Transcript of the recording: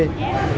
để gọi điện